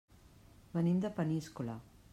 Venim de Peníscola.